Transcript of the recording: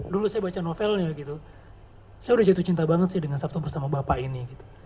dulu saya baca novelnya gitu saya udah jatuh cinta banget sih dengan sabtu bersama bapak ini gitu